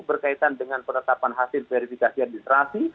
berkaitan dengan penetapan hasil verifikasi administrasi